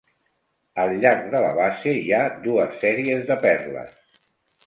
Al llarg de la base hi ha dues sèries de perles.